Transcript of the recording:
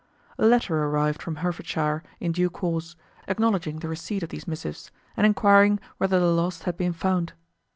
A letter arrived from Herefordshire in due course, acknowledging the receipt of these missives, and enquiring whether the lost had been found.